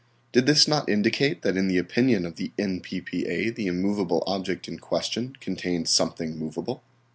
Did this not indicate that in the opinion of the N.P.P.A. the immovable object in question contained something movable?